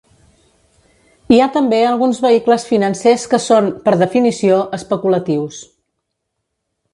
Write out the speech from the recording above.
Hi ha també alguns vehicles financers que són, per definició, especulatius.